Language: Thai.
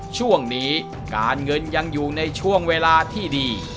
ช่วงนี้การเงินยังอยู่ในช่วงเวลาที่ดี